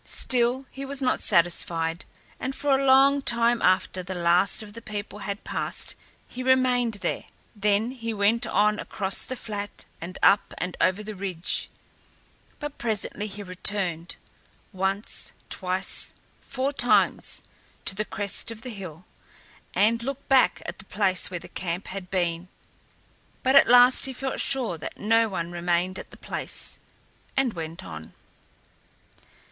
Still he was not satisfied, and for a long time after the last of the people had passed he remained there. Then he went on across the flat and up and over a ridge, but presently he returned, once, twice, four times, to the crest of the hill and looked back at the place where the camp had been; but at last he felt sure that no one remained at the place, and went on.